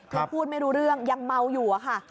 พูดไม่รู้เรื่องยังเมาอยู่อะค่ะ